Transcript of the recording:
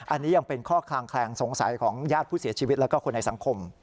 อันนี้ยังเป็นข้อคลางแคลงสงสัยของญาติผู้เสียชีวิตแล้วก็คนในสังคม